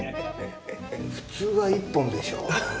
普通は１本でしょう。